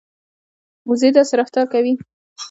وزې داسې رفتار کوي لکه ټول سامان چې د دوی ملکیت وي.